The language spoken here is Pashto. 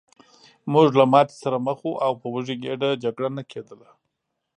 موږ له ماتې سره مخ وو او په وږې ګېډه جګړه نه کېده